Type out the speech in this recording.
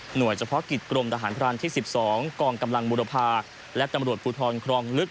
โดยเฉพาะกิจกรมทหารพรานที่๑๒กองกำลังบุรพาและตำรวจภูทรครองลึก